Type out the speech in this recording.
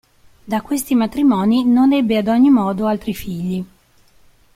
Da questi matrimoni non ebbe ad ogni modo altri figli.